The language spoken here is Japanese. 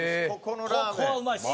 ここはうまいです。